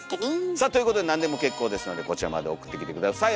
さあということでなんでも結構ですのでこちらまで送ってきて下さい。